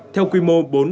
theo quy mô bốn sáu lần